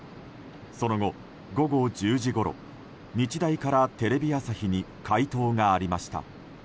その後、午後１０時ごろ日大からテレビ朝日に回答がありました。